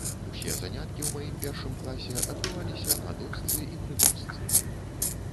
Усе заняткі ў маім першым класе адбываліся на дошцы і пры дошцы.